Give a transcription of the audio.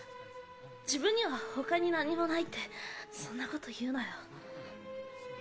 自分には他に何もないってそんなこと言うなよ。